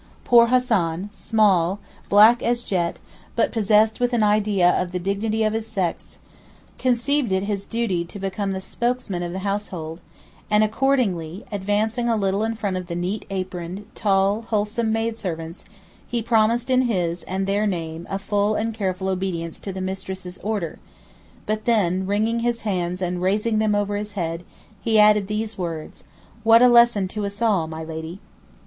Poor Hassan, small, black as jet, but possessed with an idea of the dignity of his sex, conceived it his duty to become the spokesman of the household, and accordingly, advancing a little in front of the neat aproned, tall, wholesome maid servants, he promised in his and their name a full and careful obedience to the mistress's order, but then, wringing his hands and raising them over his head, he added these words: "What a lesson to us all, my lady."